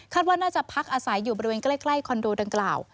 ว่าน่าจะพักอาศัยอยู่บริเวณใกล้คอนโดดังกล่าว